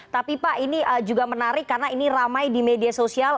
tapi pak ini juga menarik karena ini ramai di media sosial